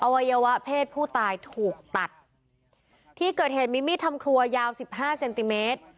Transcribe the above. วัยวะเพศผู้ตายถูกตัดที่เกิดเหตุมีมีดทำครัวยาวสิบห้าเซนติเมตร